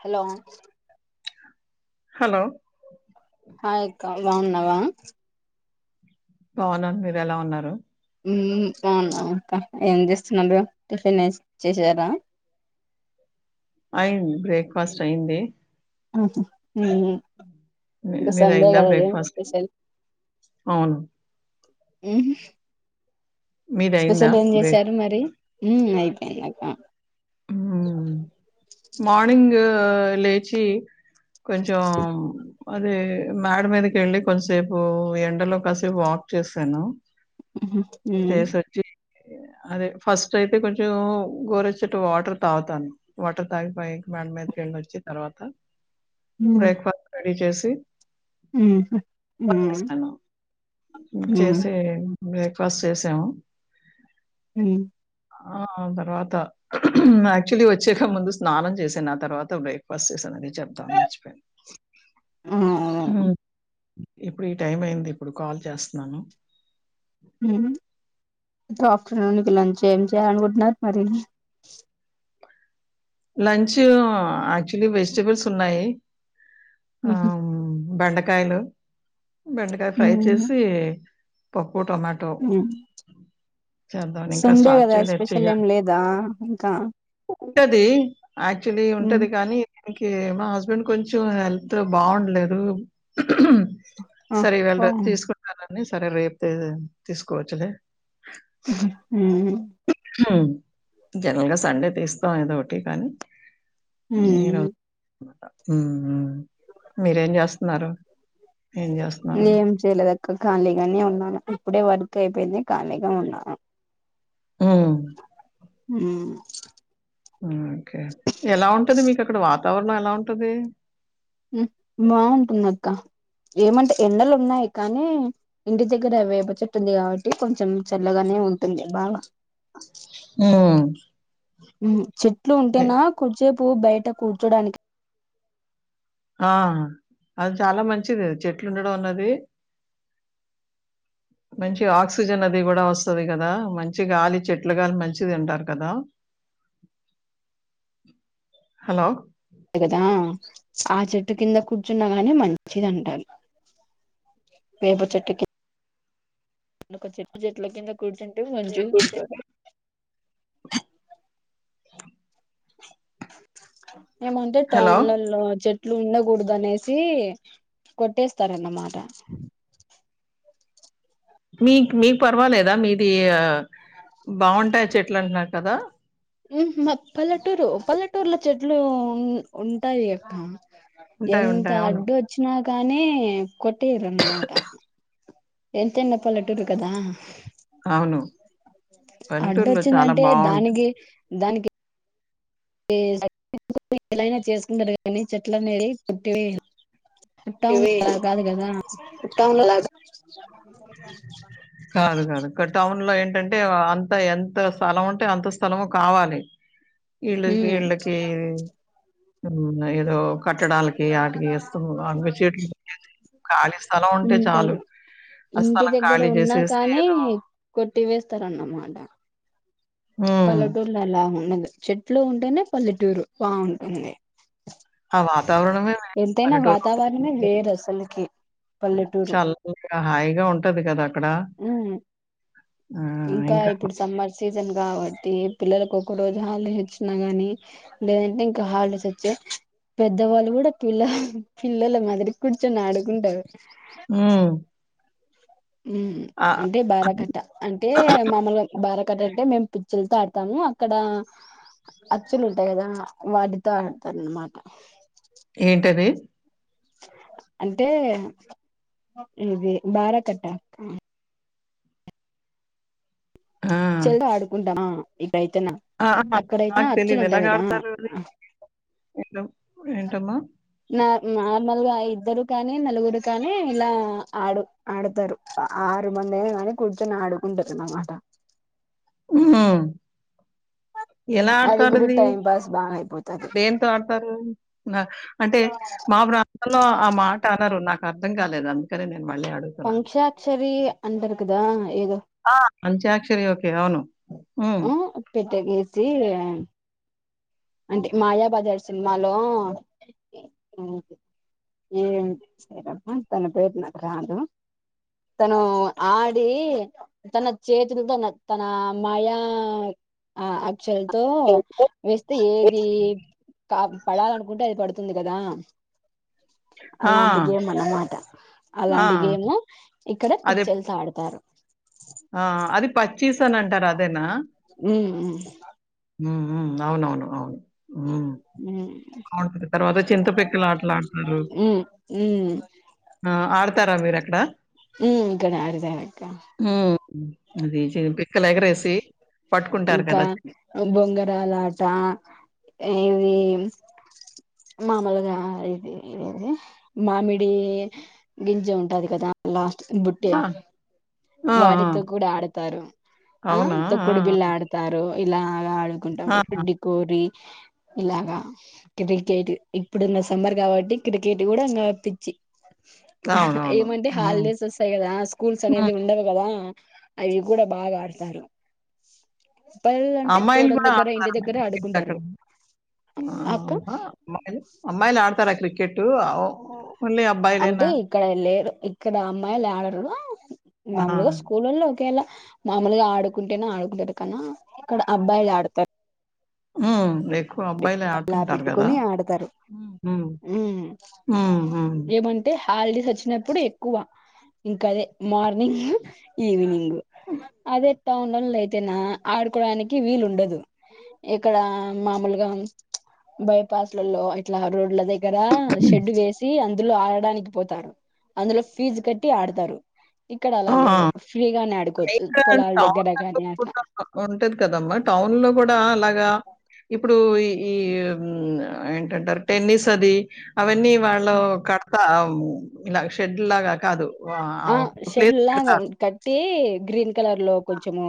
Hello hello hi అక్క బాగున్నావా బావున్నాను మీరు ఎలా ఉన్నారు హ్మ్ అవును అవును అక్క ఏం చేస్తున్నారు టిఫిన్ చేసారా అయింది బ్రేక్ఫాస్ట్ అయింది హ్మ్ హు ఇంగా మీద సండే అయిందా కదగ బ్రేక్ఫాస్ట్ స్పెషల్ అవును హ్మ్ మీద అయిందా స్పెషల్ ఏం బ్రేక్ చేశారు మరి హ్మ్ అయిపేయింది అక్కా మార్నింగు లేచి కొంచం అదే మేడ మీదకి వెళ్ళి కొంచసేపు ఎండలో కాసేపు వాక్ చేసాను హ్మ్మ్ అదే ఫస్ట్ అయితే కొంచెం గోరెచ్చటి వాటర్ తాగుతాను వాటర్ తాగి పైకి మేడమీదకి కెళ్ళొచ్చి తర్వాత బ్రేక్ఫాస్ట్ రెడీ చేసి హ్మ్ హు చేశాను హ్మ్ చేసి బ్రేక్ఫాస్ట్ చేసాము హ్మ్ ఆ తర్వాత యాక్టువల్లీ వచ్చ వచ్చకా ముందు స్నానం చేశాను ఆ తర్వాత బ్రేక్ఫాస్ట్ చేశాను అది చెప్తా మర్చిపోయా ఆ ఇప్పుడు ఈ టైం అయింది ఇప్పుడు కాల్ చేస్తున్నాను హ్మ్ ఇప్పుడు ఆఫ్టర్నూన్ ఇక లంచ్ ఏం చేయాలనుకుంటున్నారు మరి లంచ్ యాక్చువలీ వెజిటబుల్స్ ఉన్నాయి ఆ హ్మ్ బండకాయలు బెండకాయ ఫ్రై చేసి పొ హ్మ్ చేద్దామని ఇంకా సండే స్టార్ట్ కదా చేయలేదు స్పెషల్ ఏం లేదా ఇంకా వుంటది యాక్చువలీ మ్మ్ ఉంటది కానీ మకి మా హస్బెండ్ కొంచెం హెల్త్ బాగుండలేదు ఆ సరే ఓ వెళ్ళరు తీసుకుంటారని సరే రేపే తీసుకోవచ్చలే హ్మ్ హు హ్మ్ జనరలుగా సండే తీస్తాం ఏదో ఒకటి కానీ మ్మ్ హుమ్ మీరేం చేస్తున్నారు ఏం చేస్తున్నాను ఏం చేయలేదు ఖాళీగానే ఉన్నాను ఇప్పుడే వర్క్ అయిపోయింది ఖాళీగా ఉన్నాను మ్మ్ మ్మ్ మ్మ్ ఓకే ఎలా ఉంటది మీకు అక్కడ వాత [unintelligible] ఎలా ఉంటది హు బాగుంటుంద అక్క ఏమంటే ఎండలు ఉన్నాయి కానీ ఇంటి దగ్గర వేప చెట్టు ఉంది కాబట్టి కొంచెం చల్లగానే ఉంటుంది బాగా మ్మ్ ఉ చెట్లు ఉంటేనా కొద్దిసేపు బయట కూర్చోడానికి ఆ అది చాలా మంచిది చెట్లుండడం అన్నది మంచి ఆక్సిజన్ అది కూడా వస్తది కదా మంచి గాలి చెట్ల గాలి మంచిదంటారు కదా హలో కదా ఆ చెట్టు కింద కూర్చున్నాగానే మంచిది అంటా వేప చెట్టుకి కింద కూర్చుంటే [unintelligible] [unintelligible] ఏమంటే హలో! టౌన్ లలో చే చెట్లు ఉండకూడదు అనేసి కొట్టేస్తారన్నమాట మీకు మీవి పర్వాలేదా మీది బాగుంటాయి చెట్లు అంటున్నారు కదా ఉ మాది పల్లెటూరు పల్లటూర్ల చెట్లు [unintelligible] ఉంటాయి ఆ! అక్క ఉంటాయి. ఎంత ఉంటాయి. అవును. అడ్డు వచ్చినా కానీ కొట్టేరు అన్న మాట ఎంతన్న పల్లటురు కదా అవును. పల్లెటూరులో చాలా అడ్డొచ్చిందంటే బాగుంటుంది దానికి దానికి [unintelligible] చేసుకుంటారు కానీ చెట్లనేది కొట్టి వేయరు టౌన్ లో ఇవి అలా కాదు కదా టౌన్ లాగా కాదు కాదు టౌన్ లో ఏంటంటే అంటే అంత ఎంత స్థలం ఉంటే అంత స్థలము కావాలి ఇళ్ళకి ఉమ్ ఇళ్ళకి మ్మ్ నా ఏదో కట్టడాలకి వాటికి ఇస్తము అగు చీట్లు [unintelligible] ఖాళీ స్థలం ఉంటే చాలు ఉంటారు ఆ ఇంటి స్థలం దగ్గర ఖాళీ ఉన్నా చేసేసి కానీ ఏదో కొట్టి చేస్తార్ అన్న మాట ఉమ్ పల్లెటూర్లలో అందం చెట్లు ఉంటేనే పల్లెటూరు బాగుంటుంది ఆ వాతావరణమే ఎంతైనా పల్లెటూరు వాతావరణమే వేరు అసలుకి పల్లెటూరు చాలా హాయిగా ఉంటది కదా అక్కడ ఉమ్ ఆ ఇంకా ఇప్పుడు సమ్మర్ సీజన్ కాబట్టి పిల్లలలకు ఒక రోజు హాలిడేస్ వచ్చిన గాని లేదంటే ఇంకా హాలిడేస్ వచ్చే పెద్దవాళ్ళు కూడా పిల్ల పిల్లలు మదిరి కూర్చొని ఆడుకుంటారు హ్మ్ హ్మ్ అంటే బారాకట్ట అంటే మమలుగా బారకట్ట అంటే మేము పిచ్చలతో ఆడతాము అక్కడ అచ్చులు ఉంటాయి కదా వాటితో ఆడతారు అనమాట ఏంటది అంటే ఇది బారాకట్ట ఆ చ్చలతో ఆడుకుంటామా ఇక్కడైతేనా ఆ నాక్ [unintelligible] అక్కడైతే నాకు అచ్చులు తెలీదు ఎలా ఉంటాయి కదా ఆడతారు ఆ [unintelligible] అది ఏంటమ్మా నార్మల్ గా ఇద్దరు కానీ నలుగురు కానీ ఇలా ఆడు ఆడతారు ఆరు మంది అయినా కానీ కూర్చొని ఆడుకుంటారు అన్నమాట మ్మ్ ఎలా అది కూడా ఆడతారుది టైం పాస్ బాగా అయిపోతది దేంతో ఆడతారు అంటే మా ప్రాంతంలో ఆ మాట అనరు నాకు అర్ధం కాలేదా మీక్ అది న్ పంక్షాక్షరి అంటారు కదా ఏదో అంచక్షరీ ఓకే అవును హ్మ్. ఉ పెట్టకేసి సీ అంటే మాయా బజార్ సినిమాలో ఏ మ్మ్ ఏమ్ తన పేరు నాకు రాదు తను ఆ ఆడి తన చేతులతో తన మాయా ఆ అచుల్ తో వస్ టే ఏది పడ్ పడాలనుకుంటే అది పడుతుంది తుంది కదా ఆ! అలాంటి గేమ్ అన్నమాట ఆ! అలాంటి గేమ్ ఇక్కడ అదే పిచ్చల్ తో ఆడతారు ఆ అది పచ్చిస్ అన్ అంటారు అదేనా ఉమ్ ఉమ్ మ్మ్ మ్మ్ అవునవును అవును మ్మ్ ఉమ్ అవును తర్వాత చింతపిచ్చలు ఆటలా ఆడతారు ఉమ్ ఉమ్ ఆ ఆడుత తారా మీరు అక్కడ ఉ గణ అడదనక్క అదే ఇంకా బొంగరల ఆట ఏది మామలుగా ఇది ఏది మామిడి గింజ ఉంటుది కదా అలా బుట్టే ఆ! ఆ! ఆ! వారితో కూడా ఆడతారు ఆ అవునా? ఆ! తోకుడు బిల్ళ ఆడతారు ఇలా ఆ కుంటా ఆ! ఉంట పెడ్డి పోరి ఇలాగా క్రికెట్ ఇప్పుడున్న సమ్మర్ కాబట్టి క్రికెట్ కూడా ఇంకా పిచ్చి ఆ! అవునవును. ఏమంటే హ్మ్. హాలిడేస్ వస్తాయి కదా స్కూల్స్ అనేది హ్మ్. ఉండవు కదా అవి కూడా బాగా ఆడతారు పల్లెలు అంటే అమ్మాయిలు తోటల కూడా దగ్గర ఇంటి ఆడతారంట దగ్గర క్రికెట్ ఆడుకుంటారు అక్కడ అక్క అమ్మాలు అమ్మాయిలు ఆడతారా క్రికెట్ అ ఆ అంటే ఇక్కడ లేరు ఇక్కడ అమ్మాయిలు ఆడరు ఆ! మాముూలుగా స్కూలలో ఒకేళ మామూలుగా ఆడుకుంటేనే ఆడుకుంటారు కన్నా ఇక్కడ అబ్బాయిలు ఆడతారు మ్మ్ అబ్బాయిలే ఇలా ఆడుతుంటారు కదా పెట్టుకొని ఆడతారు హాలిడీస్ వచ్చినప్పుడు ఎక్కువ ఇంకాదే మార్నింగ్ ఈవినింగ్ అదే టౌన్ లో అయితేనా ఆడుకోడానికి వీలు ఉండదు ఇక్కడ మామూలుగా బైపాస్ లలో ఇట్లా రోడ్ల దగ దగ్గర షెడ్ వేసి అందులో ఆడడానికి పోతారు అందులో ఫీజు కట్టి ఆడతారు ఇక్కడ అలా ఆ! లేదు ఫ్రీగానే ఆడుకోవచ్చు పైగా పొలాల దగ్గర టౌన్‌లలో కాని అట్లా కూడా ఉంటది కదమ్మా! టౌన్‌లో గూడా అలాగా ఇప్పుడు ఈ ఏంటంటారు టెన్నిస్ అది అవన్నీ వాళ్ళు కడతా ఇలా షెడ్ లాగా కాదు ఒ ఒక్క ప్లేస్ లా పెడతారు. కట్టి గ్రీన్ కలర్ లో కొంచము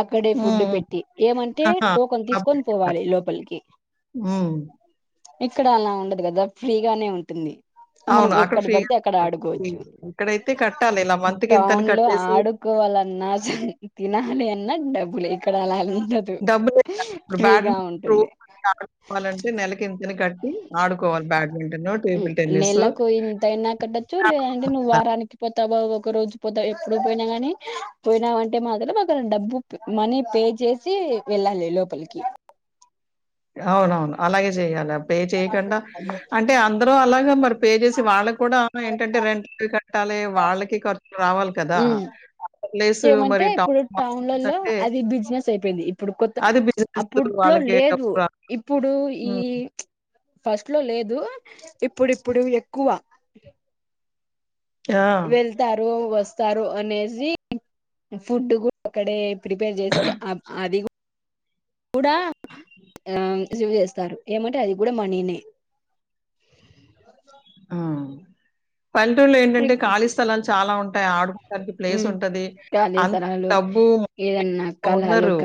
అక్కడే హ్మ్. ఫుడ్ హ్మ్. పెట్టి ఏమంటే ఆహా! టోకన్ క్లబ్ తీసుకొని పెడతారు. పోవాలి లోపలికి హ్మ్. ఇక్కడ అలా ఉండదు కదా ఫ్రీగానే ఉంటుంది మనం అవును. అక్కడ ఎక్కడ పడితే ఫ్రీగానే అక్కడ ఉంటది. ఆడుకోవచ్చు ఇక్కడైతే కట్టాలి. ఇలా మంత్‌కి ఇంతని టౌన్ లో కట్టేసి ఆడుకోవాలన్నా తినాలి అన్నా డబ్బులె ఇక్కడ అలానె డబ్బులు ఇప్పుడు బ్యాగ్ ఉంటుంది ఆడుకోవాలంటే నెలకి ఎ దాన్ని కట్టి ఆడుకోవాలి బ్యాడ్ నేలకు ఇంతైనా కట్టొచ్చు లేదంటే నువ్వు వారానికి పో ఒక రోజు పోతా ఎప్పుడు పోయినా గాని పోయినామంటే మాత్రం ఒక డబ్బు మనీ పే చేసి వెళ్ళాలి లోపలికి అవునవును అలాగే చేయాల్ పే చేయకుండా అంటే అందరు అలాగా మరి పే చేసి వాళ్ళ కూడా ఏంటంటే రెంట్ ట్టాల వాళ్ళకి ఖర్చు రావాలి కదా ఉమ్ అద ప్లేస్ ఏమంటే మరి ఇప్పుడు టౌన్ టౌన్లలో అంటే అది బిజినెస్ అయిపోయింది ఇప్పుడు కొత్త అది బిజినెస్ అప్పట్లో వాళ్ళకి లేదు రా ఇప్పుడు ఈ హ్మ్. ఫస్ట్ లో లేదు ఇప్పుడుప్పుడు ఎక్కువ ఆ! వెళ్తారు వసు స్తారు అనేసి ఫుడ్ కూడా అక్కడే ప్రిపేర్ చేసి అప్ అది కూ కూడా ఆ చేసేస్తారు ఏమంటే అది కూడా మనీనే ఆ! పల్లెటూరులో ఏంటంటే ఖాళీ స్థలాలు చాలా ఉంటాయి ఆడుకోటానికి ప్లేస్ ఉంటది అంత కాళేశ్వరాలు డబ్బు ఏదన్నా ఉన్నారు ఉండ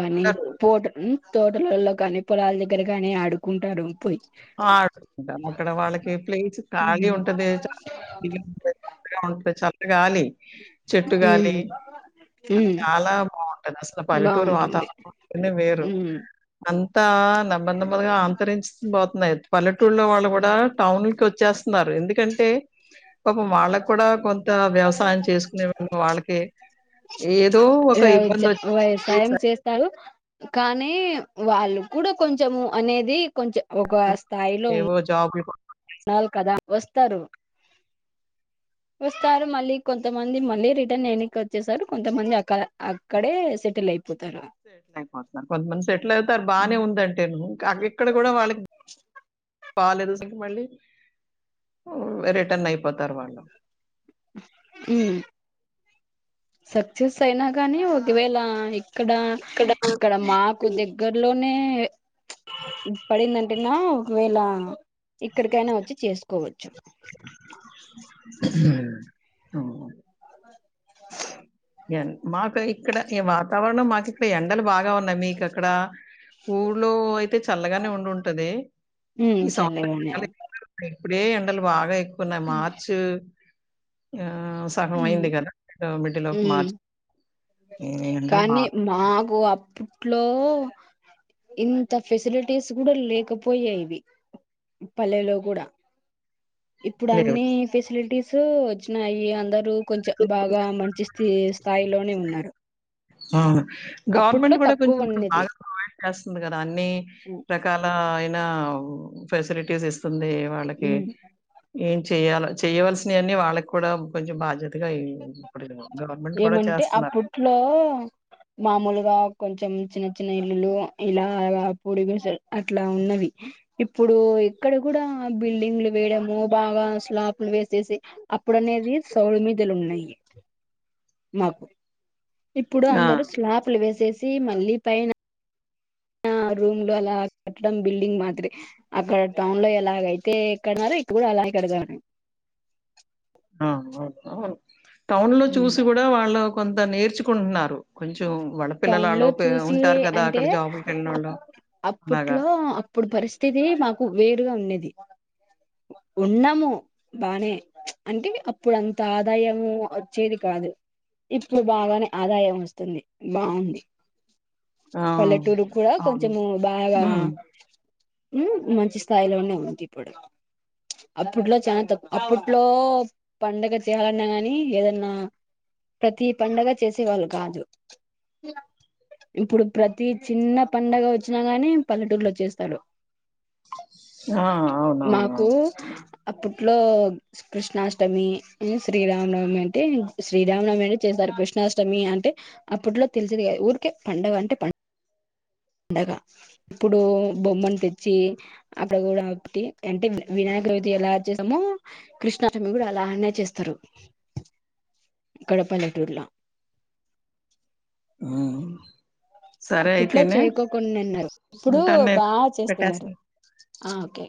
తోటలల్లో కానీ పొలాల దగ్గర కానీ ఆడుకుంటారు పోయి ఆడుంటా అక్కడ వాళ్ళకి ప్లేస్ ఖాళీ ఉమ్ ఉంటది చా పచ్చగా ఉంటే గాలి చెట్టు గాలి అ ఉమ్ చాలా బాగుంటంది అసలు పల్లెటూరు బాగుంటుంది వాతావరణం అంటేనే వేరు ఉమ్ మం బా నెమ్మర్ నెమ్మర్గా అంతరించ పో పల్లెటూళ్లో వాళ్ళు కూడా టౌన్ కి వచ్చేస్తున్నారు ఎందుకంటే పాపం వాళ్ళకు కూడా కొంత వ్యవసాయం చేసుకునేళ వాళ్ళకే ఏదో ఒక ఇబ్బంది వచ్చి వ్యవసాయం చేస్తారు కానీ వాళ్ళు కూడా కొంచెము అనేది కొంచెం ఒక సెటిల్ స్థాయిలో ఉ ఏవో జాబులు కోసం ఉండాలి కదా వస్తారు వస్తారు మళ్ళీ కొంతమంది మళ్ళీ రిటర్న్ ఎనక్కి వచ్చేసారు కొంతమంది అక్క అక్కడే సెటిల్ అయి సెటిల్ అయిపోతున్నారు కొంతమంది సెటిల్ అవుతారు బాగానే ఉందంటే ఇ ఇక్కడ కూడా వాళ్ళకి బాలాలేదు అసకి మళ్ళీ రిటర్న్ అయిపోతారు వాళ్ళు ఉమ్ సక్సెస్ అయినా కానీ ఒకవేళ ఇక్కడ ఇక్కడ మాకు హ్మ్. దగ్గరలో నే పడిందంటేనా ఒకవేళ ఇక్కడికైనా వచ్చి చేసుకోవచ్చు. [unintelligible] ఉ ఓ ఏన్ మాటై ఇక్కడ ఈ వాతావరణం మాకు ఇక్కడ ఎండలు బాగా ఉన్నాయి, మీకు అక్కడ ఊర్లో అయితే చల్లగానే ఉండి ఉంటది. ఉమ్ చల్లగనే ఉన్ ఇప్పుడే ఎండలు బాగా న్నయి మార్చ్ ఆ ఆ సగం అయింది కదా ఇటు మిడ్ లో హ్ కానీ బాగా మాకు అప్పు ట్లో ఇంత ఫెసిలిటీస్ కూడా లేకపోయేవి పల్లెలో కూడా ఇప్పుడు లేవు. అన్ని ఫెసిలిటీస్ సో వచ్చినాయి అంద రు కొంచెం బాగా మంచి స్థి స్థాయిలోనే ఉన్నారు. ఆ అప్పట్లో గవర్నమెంట్ కూడా కొంచెం తక్కువ ఇ ఉన్నది బాగా ప్రొవైడ్ చేస్తుంది కదా అన్ని రకాల న్నా ఫెసిలిటీస్ ఇస్తుంది. వాళ్ళకి ఉమ్, ఏం చెయ్యాలా చెయ్యవలసినవన్నీ వాళ్ళకి కూడా కొంచెం బాధ్యతగా ఇ ఇప్పుడు గవర్నమెంట్ కూడా ఏమంటే చేస్తున్నారు. అప్పట్లో మామూలుగా కొంచెం చిన్న చిన్న ఇల్లులు ఇలాగా పొడుగు అట్లా ఉన్నవి. ఇప్పుడు ఇక్కడ కూడా బిల్డింగ్లు వేయడము బాగా స్లాబ్లు వేసేసి అప్పుడు అనేది సౌలు మీదలు ఉన్నయి. [unintelligible] మాకు ఇప్పుడు ఆ! అందరు స్లాప్లు వేసేసి మళ్ళీ పైన రూమ్ లో అలా కట్టడం బిల్డింగ్ మాత్రే అక్కడ టౌన్ లో ఎలాగ అయితే ఎక్కడన్నారో ఇక్కడ కూడా అలాగ కడదామనీ ఆ అవును, అవును. టౌన్ లో చూసి కూడా వాళ్ళ కొంత నేర్చుకుంటున్నారు కొంచం టౌన్ లో చూసి అంటే అక్కడ అప్ జాబులకెళ్ళినోళ్ళు అలాగా. అప్పట్లో అప్పుడు పరిస్థితి మాకు వేరుగా ఉండేది. ఉన్నాము. బానే అంటే అప్పుడు అంత ఆదాయము వచ్చేది కాదు. ఇప్పుడు బాగానే ఆదాయం వస్తుంది బాగుంది. ఆ! పల్లెటూరు కూడా అవును. కొంచము బాగా హ్మ్. ఉ మంచి స్థాయిలోనే ఉంది. ఇప్పుడు అప్పుట్లో చాలా తకు అప్పుట్లో పండగ చేయాలన్నా గాని ఏదన్నా ప్రతి పండగ చేసే వాళ్ళు కాదు. ఇప్పుడు ప్రతి చిన్న పండగ వచ్చినా గాని పల్లెటూరులో చేస్తారు. ఆ అవును మాకు అప్పు ఇట్లో కృష్ణాష్టమి శ్రీరామనవమి అంటే శ్రీరామనవమి అంటే చేశారు. కృష్ణాష్టమి అంటే అప్పట్లో తెలిసిది గాదు. ఊరికే పండగ అంటే పం డగ ఇప్పుడు బొమ్మను తెచ్చి అక్కడ కూడా ఒకటి అంటే వినాయక చవితి ఎలా చేస్తమో కృష్ణాష్టమి కూడా అలా అనే చేస్తారు. ఇక్కడ పల్లెటూర్లో హా ఆ అప్పుట్లో చేయకోకుండా ఉన్నారు. ఇప్పుడు ఉంటాను నేను. బాగా చేస్తున్నారు. పెట్టేస్తా. ఆ ఓకే